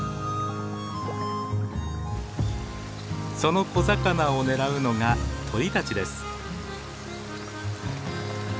その小魚を狙うのが鳥たちです。